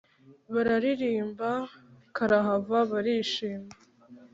bararirimba karahava barishima